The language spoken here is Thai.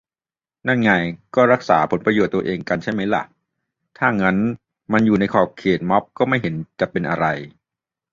นั่นไง ก็รักษาประโยชน์ตัวเองกันใช่ไหมล่ะ งั้นถ้ามันอยู่ในขอบเขต ม็อบก็ไม่เห็นจะเป็นอะไร